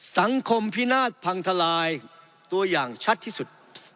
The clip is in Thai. พินาศพังทลายตัวอย่างชัดที่สุด